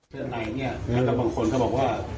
เชิญใดนี่บางคนก็บอกว่า